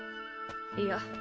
いや。